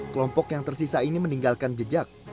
kelompok yang tersisa ini meninggalkan jejak